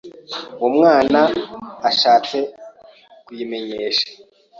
uwo Mwana ashatse kuyimenyesha